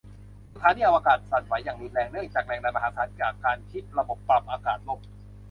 สถานีอวกาศสั่นไหวอย่างรุนแรงเนื่องจากแรงดันมหาศาลจากการที่ระบบปรับอากาศล่ม